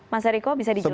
mas hariko bisa dijelaskan